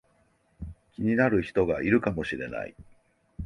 気になる人がいるかもしれない